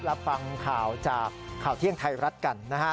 รับฟังข่าวจากข่าวเที่ยงไทยรัฐกันนะฮะ